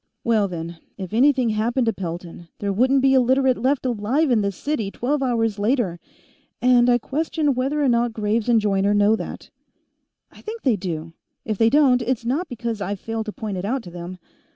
"Well then. If anything happened to Pelton, there wouldn't be a Literate left alive in this city twelve hours later. And I question whether or not Graves and Joyner know that." "I think they do. If they don't, it's not because I've failed to point it out to them.